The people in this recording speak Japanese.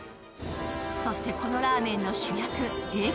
そしてこのラーメンの主役Ａ５